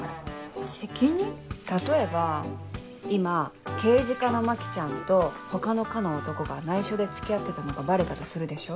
例えば今刑事課の牧ちゃんと他の課の男が内緒で付き合ってたのがバレたとするでしょ。